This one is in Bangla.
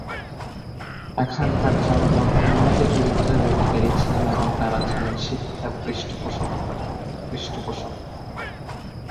এখানকার জনগণ উন্নত চরিত্রের অধিকারী ছিলেন এবং তারা ছিলেন শিক্ষার পৃষ্ঠপোষক।